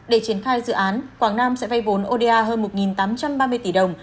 để triển khai dự án quảng nam sẽ vay vốn oda hơn một tám trăm ba mươi tỷ đồng